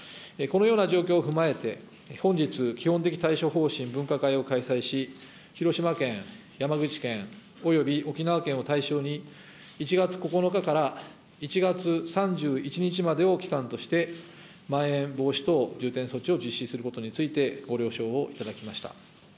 このような状況を踏まえて、本日、基本的対処方針分科会を開催し、広島県、山口県および沖縄県を対象に、１月９日から１月３１日までを期間として、まん延防止等重点措置を実施することについて、ご了承を頂きました。